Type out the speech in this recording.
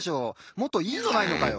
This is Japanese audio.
もっといいのないのかよ？